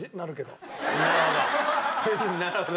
なるほど。